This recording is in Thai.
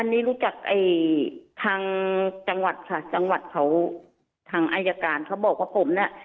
อันนี้รู้จักไอ้ทางจังหวัดค่ะจังหวัดเขาทางอายการเขาบอกว่าผมเนี่ย